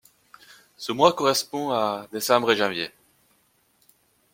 Ce mois correspond à décembre-janvier.